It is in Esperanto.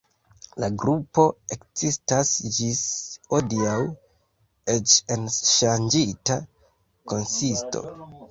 La grupo ekzistas ĝis hodiaŭ eĉ en ŝanĝita konsisto.